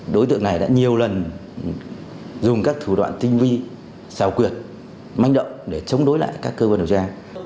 đối tượng này đã nhiều lần dùng các thủ đoạn tinh vi xào quyệt manh động để chống đối lại các cơ quan điều tra